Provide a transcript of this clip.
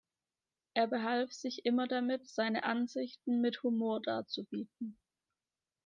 Er behalf sich immer damit, seine Ansichten mit Humor darzubieten.